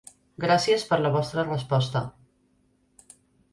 Gràcies per la vostra resposta!